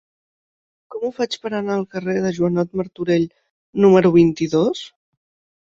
Com ho faig per anar al carrer de Joanot Martorell número vint-i-dos?